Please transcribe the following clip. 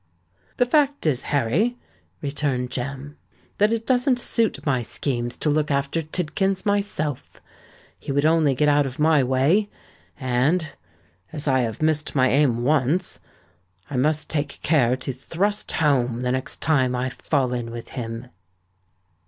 "The fact is, Harry," returned Jem, "that it doesn't suit my schemes to look after Tidkins myself. He would only get out of my way; and—as I have missed my aim once—I must take care to thrust home the next time I fall in with him."